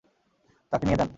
তাকে নিয়ে যান।